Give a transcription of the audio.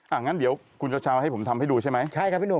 อย่างนั้นเดี๋ยวคุณเช้าให้ผมทำให้ดูใช่ไหมใช่ครับพี่หนุ่ม